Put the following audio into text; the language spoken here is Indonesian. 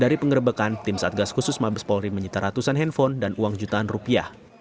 dari pengerebekan tim satgas khusus mabes polri menyita ratusan handphone dan uang jutaan rupiah